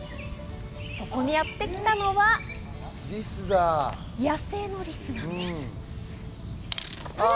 そこにやって来たのは野生のリスです。